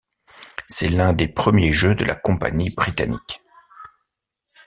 C'est l'un des premiers jeux de la compagnie britannique.